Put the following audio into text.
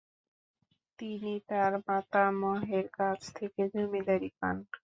তিনি তার মাতামহের কাছ থেকে জমিদারি পান।